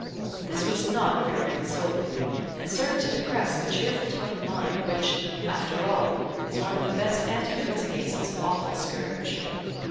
This was not very consoling, and served to depress the cheerful tone of mind which, after all, is one of the best antidotes against this awful scourge.